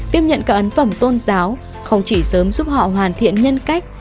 tiếp nhận các ấn phẩm tôn giáo không chỉ sớm giúp họ hoàn thiện nhân cách